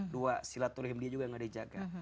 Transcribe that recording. dua silaturahim dia juga nggak dijaga